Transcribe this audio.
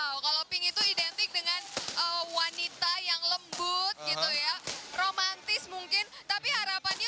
wow kalau pink itu identik dengan wanita yang lembut gitu ya romantis mungkin tapi harapannya